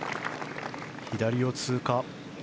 左を通過。